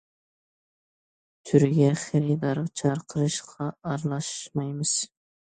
تۈرگە خېرىدار چاقىرىشقا ئارىلاشمايمىز.